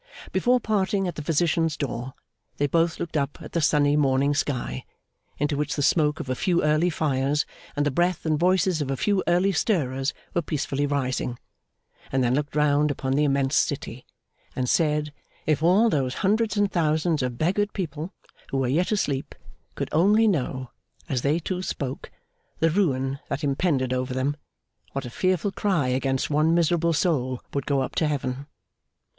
Before parting at the Physician's door, they both looked up at the sunny morning sky, into which the smoke of a few early fires and the breath and voices of a few early stirrers were peacefully rising, and then looked round upon the immense city, and said, if all those hundreds and thousands of beggared people who were yet asleep could only know, as they two spoke, the ruin that impended over them, what a fearful cry against one miserable soul would go up to Heaven!